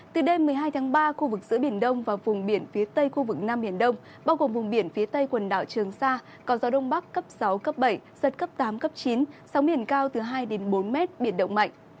từ đêm một mươi hai tháng ba khu vực giữa biển đông và vùng biển phía tây khu vực nam biển đông bao gồm vùng biển phía tây quần đảo trường sa có gió đông bắc cấp sáu cấp bảy giật cấp tám cấp chín sóng biển cao từ hai bốn m biển động mạnh